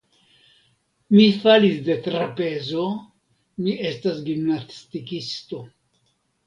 Mi falis de trapezo, mi estas gimnastikisto.